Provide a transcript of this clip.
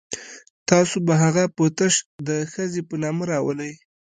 تاسو به هغه په تش د ښځې په نامه راولئ.